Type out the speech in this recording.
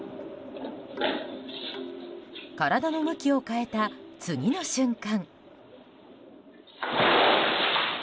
体の向きを変えた次の瞬間。